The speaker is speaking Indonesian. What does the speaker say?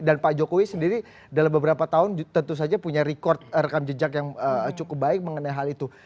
dan pak jokowi sendiri dalam beberapa tahun tentu saja punya rekam jejak yang cukup baik mengenai hal itu